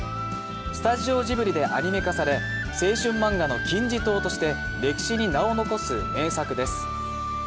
スタジオジブリでアニメ化され、青春漫画の金字塔として歴史に名を残す名作です。